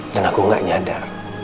dan aku nggak nyadar